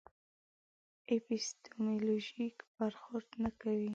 اپیستیمولوژیک برخورد نه کوي.